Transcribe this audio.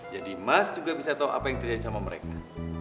mas juga bisa tahu apa yang terjadi sama mereka